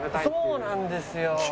そうなんですよ！